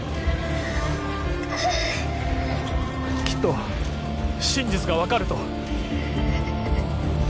きっと真実が分かると。